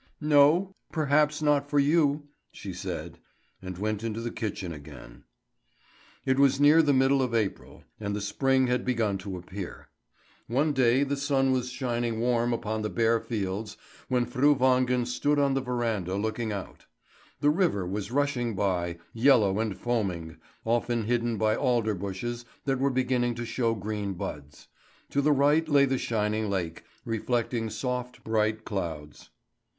"No, perhaps not for you," she said, and went into the kitchen again. It was near the middle of April, and the spring had begun to appear. One day the sun was shining warm upon the bare fields when Fru Wangen stood on the verandah looking out. The river was rushing by, yellow and foaming, often hidden by alder bushes that were beginning to show green buds. To the right lay the shining lake, reflecting soft, bright clouds.